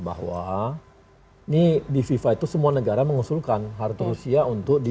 bahwa ini di fifa itu semua negara mengusulkan harta rusia untuk di